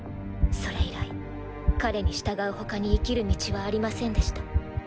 それ以来彼に従う他に生きる道はありませんでした。